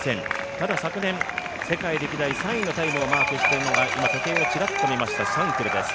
ただ昨年、世界で３位のタイムをマークしているのは今、時計をちらっと見ました、シャンクルです。